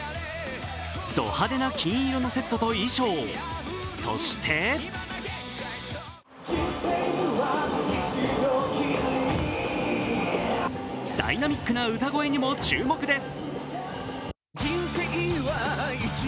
ド派手な金色のセットと衣装そしてダイナミックな歌声にも注目です。